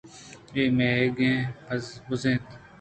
اے مئیگ بُز اِنت۔